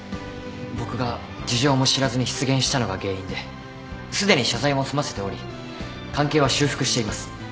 僕が事情も知らずに失言したのが原因ですでに謝罪を済ませており関係は修復しています。